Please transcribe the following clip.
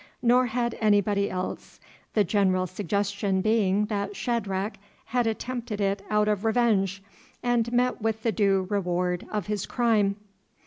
Nor had anybody else, the general suggestion being that Shadrach had attempted it out of revenge, and met with the due reward of his crime.